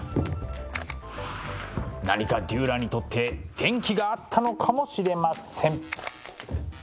何かデューラーにとって転機があったのかもしれません。